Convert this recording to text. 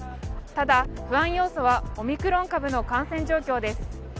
ただ、不安要素はオミクロン株の感染状況です。